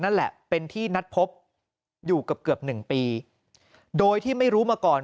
นั่นแหละเป็นที่นัดพบอยู่เกือบเกือบหนึ่งปีโดยที่ไม่รู้มาก่อน